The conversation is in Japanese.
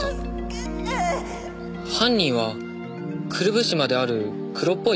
犯人はくるぶしまである黒っぽい